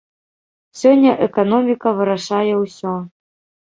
Сёння эканоміка вырашае усё.